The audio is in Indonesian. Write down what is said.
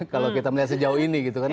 kalau kita melihat sejauh ini gitu kan